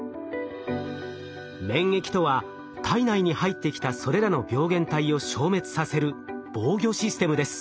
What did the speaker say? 免疫とは体内に入ってきたそれらの病原体を消滅させる防御システムです。